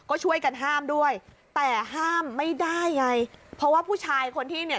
ก็ช่วยกันห้ามด้วยแต่ห้ามไม่ได้ไงเพราะว่าผู้ชายคนที่เนี่ย